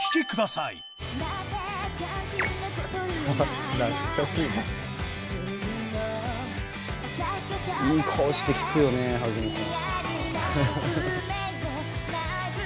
いい顔して聴くよね、萩野さん。